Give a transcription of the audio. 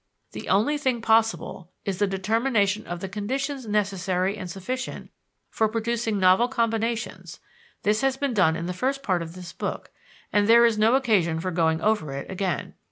The only thing possible, is the determination of the conditions necessary and sufficient for producing novel combinations: this has been done in the first part of this book, and there is no occasion for going over it again.